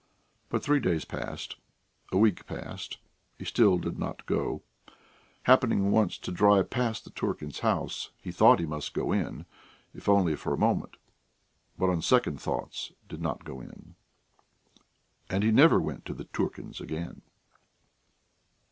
But three days passed, a week passed; he still did not go. Happening once to drive past the Turkins' house, he thought he must go in, if only for a moment, but on second thoughts ... did not go in. And he never went to the Turkins' again.